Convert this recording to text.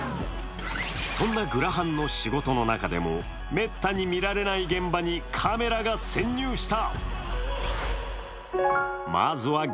そんなグラハンの仕事の中でも、めったに見られない現場にカメラが潜入した。